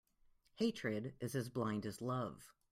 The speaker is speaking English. Hatred is as blind as love.